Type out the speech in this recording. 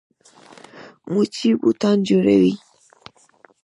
موچي بوټان جوړوي.